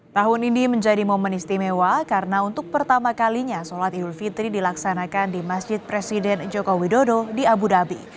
tahun ini menjadi momen istimewa karena untuk pertama kalinya sholat idul fitri dilaksanakan di masjid presiden joko widodo di abu dhabi